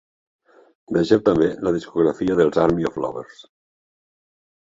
Vegeu també la discografia dels Army Of Lovers.